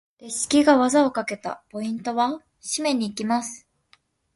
レシキが技をかけた！ポイントは？締めに行きます！